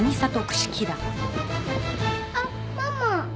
あっママ。